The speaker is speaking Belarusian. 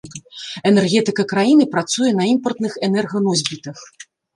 Энергетыка краіны працуе на імпартных энерганосьбітах.